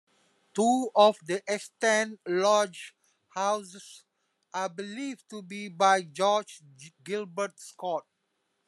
Two of the extant lodge houses are believed to be by George Gilbert Scott.